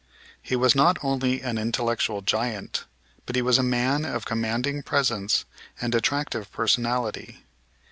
He was not only an intellectual giant, but he was a man of commanding presence and attractive personality.